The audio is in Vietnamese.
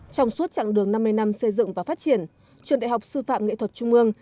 trong suốt chặng đường năm mươi năm xây dựng và phát triển trường đại học sư phạm nghệ thuật trung ương